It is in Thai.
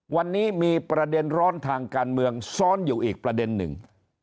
วันนี้มีประเด็นร้อนทางการเมืองซ้อนอยู่อีกประเด็นหนึ่ง